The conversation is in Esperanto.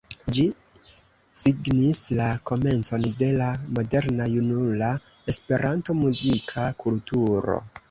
Ĝi signis la komencon de la moderna junula Esperanto-muzika kulturo.